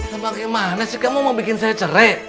nah bagaimana sih kamu mau bikin saya cerai